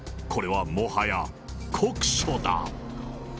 これはもはや酷暑だ。